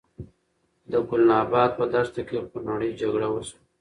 د ګلناباد په دښته کې خونړۍ جګړه وشوه.